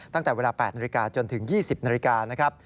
ตั้งแต่เวลา๘นาฬิกาจนถึง๒๐นาฬิกานะครับ